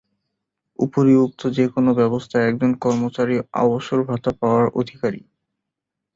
উপরিউক্ত যেকোন ব্যবস্থায় একজন কর্মচারী অবসরভাতা পাওয়ার অধিকারী।